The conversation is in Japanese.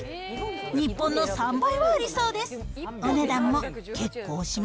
日本の３倍はありそうです。